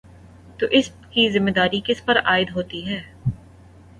تو اس کی ذمہ داری کس پر عائد ہوتی ہے؟